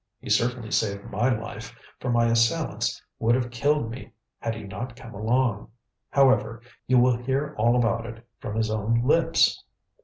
He certainly saved my life, for my assailants would have killed me had he not come along. However, you will hear all about it from his own lips."